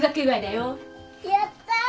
やった。